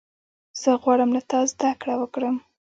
زه غواړم له تا زدهکړه وکړم.